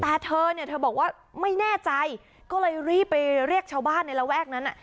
แต่เธอเนี่ยเธอบอกว่าไม่แน่ใจก็เลยรีบไปเรียกชาวบ้านในระแวกนั้น